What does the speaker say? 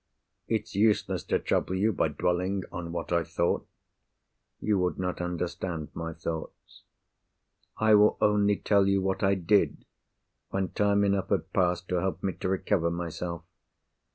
It's useless to trouble you by dwelling on what I thought—you would not understand my thoughts—I will only tell you what I did, when time enough had passed to help me to recover myself.